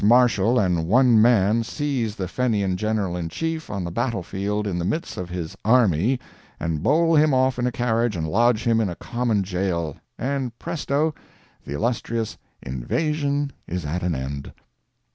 Marshal and one man seize the Fenian General in Chief on the battle field, in the midst of his "army," and bowl him off in a carriage and lodge him in a common jail—and, presto! the illustrious "invasion" is at an end!